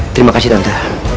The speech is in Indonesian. terima kasih tante